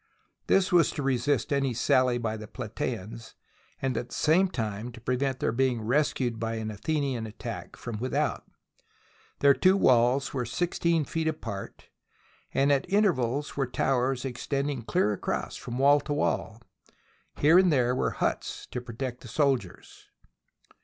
This was to resist any sally by the Platasans and at the same time to prevent their THE BOOK OF FAMOUS SIEGES being rescued by an Athenian attack from without. Their two walls were sixteen feet apart, and at in tervals were towers extending clear across from wall to wall. Here and there were huts to protect the soldiers.